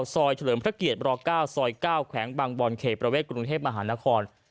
เฉลิมพระเกียร๙ซอย๙แขวงบางบอลเขตประเวทกรุงเทพมหานคร